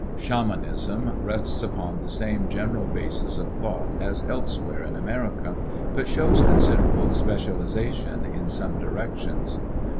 Shamanism rests upon the same general basis of thought as elsewhere in America, but shows considerable specialization in some directions.